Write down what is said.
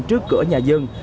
trước cửa nhà dân